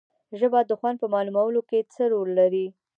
ژبه د خوند په معلومولو کې څه رول لري